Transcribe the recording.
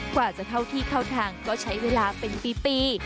กว่าจะเท่าที่เข้าทางก็ใช้เวลาเป็นปี